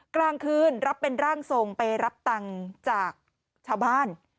กลางคืนรับเป็นร่างทรงไปรับตังค์จากชาวบ้าน